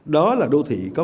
đó là đô thị có